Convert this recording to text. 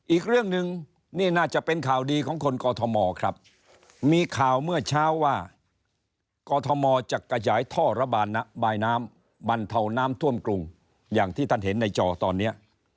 อีกเรื่องหนึ่งนี่น่าจะเป็นข่าวดีของคนกอทมครับมีข่าวเมื่อเช้าว่ากอทมจะกระจายท่อระบายน้ำบรรเทาน้ำท่วมกรุงอย่างที่ท่านเห็นในจอตอนนี้